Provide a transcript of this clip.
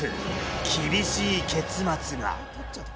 厳しい結末が。